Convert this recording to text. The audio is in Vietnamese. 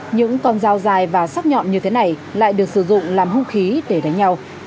những con dao dài và sắc nhọn như thế này lại được sử dụng làm hung khí để đánh nhau